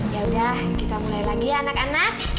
ya udah kita mulai lagi ya anak anak